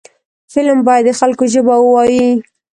فلم باید د خلکو ژبه ووايي